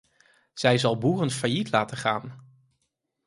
Zij zal boeren failliet laten gaan.